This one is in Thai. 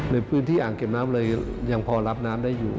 ในพื้นที่อ่างเก็บน้ำเลยยังพอรับน้ำได้อยู่